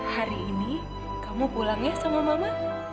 hari ini kamu pulang ya sama mama